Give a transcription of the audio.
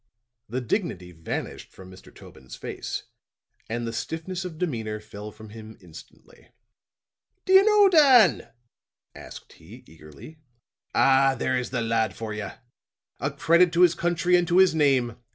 The dignity vanished from Mr. Tobin's face, and the stiffness of demeanor fell from him instantly. "Do you know Dan?" asked he, eagerly. "Ah, there is the lad for you. A credit to his country and to his name.